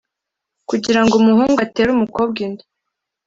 Kugira ngo umuhungu atere umukobwa inda